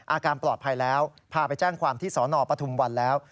อาการปลอดภัยแล้วพาไปแจ้งความที่สนปฐุมวันแล้ว